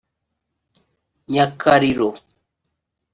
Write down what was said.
Nyakariro